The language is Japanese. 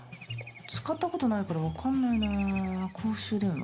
使ったことないから分かんないなぁ公衆電話？